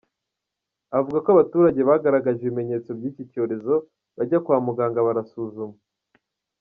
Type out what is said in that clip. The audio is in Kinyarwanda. Avuga ko aba baturage bagaragaje ibimenyetso by’iki cyorezo bajya kwa muganga barasuzumwa.